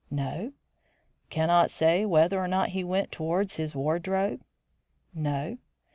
"No." "Cannot say whether or not he went towards his wardrobe?" "No."